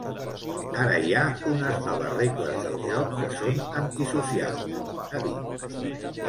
Ara hi ha unes noves regles del joc que són antisocials, ha dit.